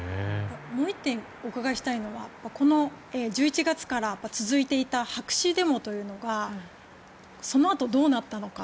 もう１点お伺いしたいのはこの１１月から続いていた白紙デモというのがそのあと、どうなったのか。